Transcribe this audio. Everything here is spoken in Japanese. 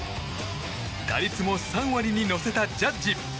打率も３割に乗せたジャッジ